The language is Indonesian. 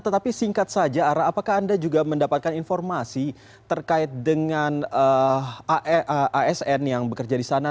tetapi singkat saja ara apakah anda juga mendapatkan informasi terkait dengan asn yang bekerja di sana